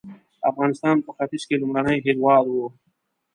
افغانستان په ختیځ کې لومړنی هېواد و.